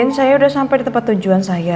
den saya udah sampai di tempat tujuan saya